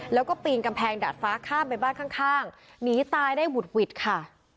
แล้วก็ปีนกำแพงดาดฟ้าข้ามไปบ้านข้างหนีตายได้หุดหวิดค่ะ